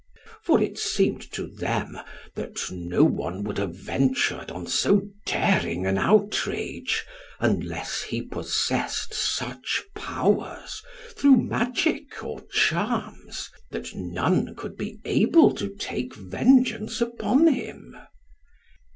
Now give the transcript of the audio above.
For it seemed to them, that no one would have ventured on so daring an outrage, unless he possessed such powers, through magic or charms, that none could be able to take vengeance upon him.